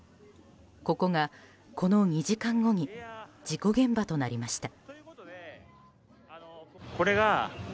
ここが、この２時間後に事故現場となりました。